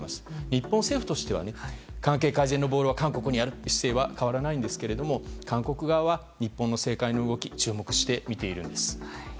日本政府としては関係改善のボールは韓国にあるという姿勢は変わりませんが韓国側は日本の政界の動き注目してみています。